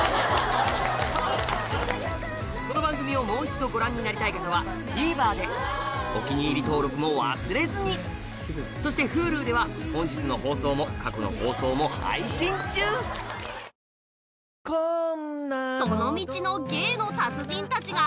この番組をもう一度ご覧になりたい方はＴＶｅｒで「お気に入り登録」も忘れずにそしてＨｕｌｕでは本日の放送も過去の放送も配信中じゃーん！